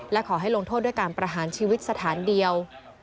และขอให้ลงโทษด้วยการประหารชีวิตสถานเดียว